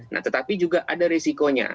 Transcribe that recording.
nah tetapi juga ada resikonya